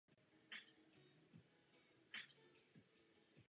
Šimona vykonává různé domácí práce a má na starosti nákupy ve městě a kuchyni.